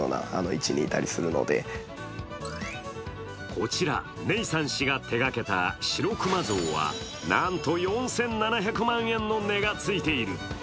こちら、ネイサン氏が手がけたしろくま像はなんと４７００万円の値がついている。